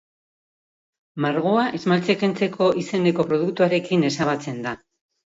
Margoa esmalte-kentzeko izeneko produktuarekin ezabatzen da.